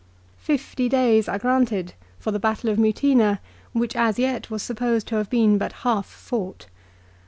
Fifty days are granted for the battle of Mutina which as yet was supposed to have been but half fought.